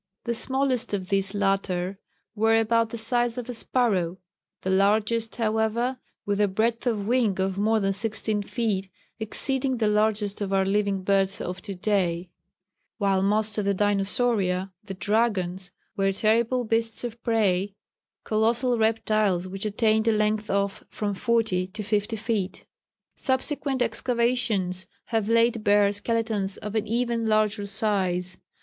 The smallest of these latter were about the size of a sparrow; the largest, however, with a breadth of wing of more than sixteen feet, exceeding the largest of our living birds of to day; while most of the Dinosauria the Dragons were terrible beasts of prey, colossal reptiles which attained a length of from forty to fifty feet. Subsequent excavations have laid bare skeletons of an even larger size.